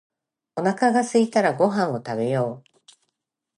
おなかがすいたらご飯を食べよう